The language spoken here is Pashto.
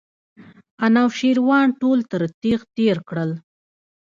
انوشیروان ټول تر تېغ تېر کړل.